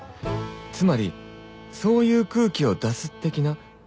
つまりそういう空気を出す的な